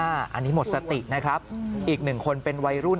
อันนี้หมดสตินะครับอีกหนึ่งคนเป็นวัยรุ่น